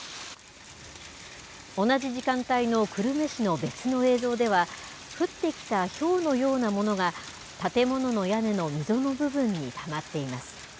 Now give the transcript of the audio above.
同じ時間帯の久留米市の別の映像では降ってきたひょうのようなものが建物の屋根の溝の部分にたまっています。